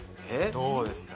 どうですか？